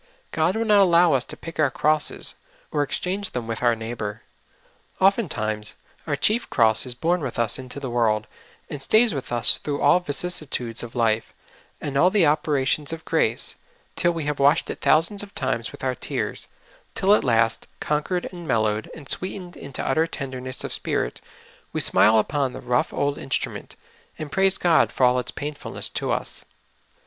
God will not allow" us to pick our crosses, or to exchange them with our neighbor. Oftentimes our chief cross is born with us into the world, and stays with us through all vicissitudes of life, and all the operations of grace, till we have washed it thousands of times with our tears, till at last, conquered and mellowed and sweetened into utter tenderness of spirit, we smile upon the rough old instrument, and praise God for all its painfulness to us.